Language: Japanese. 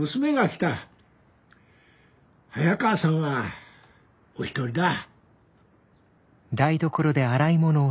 早川さんはお一人だ。